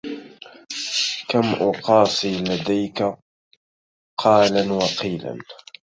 كم أقاسي لديك قالا وقيلا